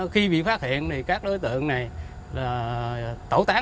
khi bị phát hiện thì các đối tượng này tẩu tán tăng vật giải cứu đồng bọn và tẩu thoát